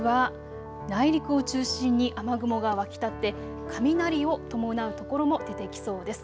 日中は内陸を中心に雨雲が湧き立って雷を伴う所も出てきそうです。